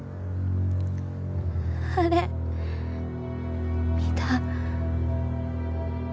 あれ見た？